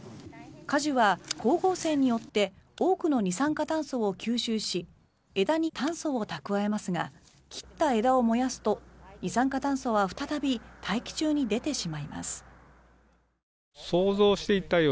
果樹は光合成によって多くの二酸化炭素を吸収し枝に炭素を蓄えますが切った枝を燃やすと二酸化炭素は再び大気中に出てしまいます。